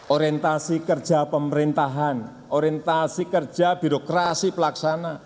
orientasi kerja pemerintahan orientasi kerja birokrasi pelaksana